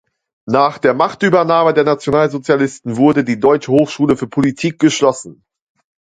Nach der Machtübernahme der Nationalsozialisten wurde die "Deutsche Hochschule für Politik" geschlossen.